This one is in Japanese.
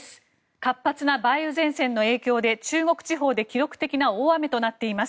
活発な梅雨前線の影響で中国地方で記録的な大雨となっています。